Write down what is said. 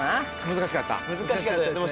難しかったです。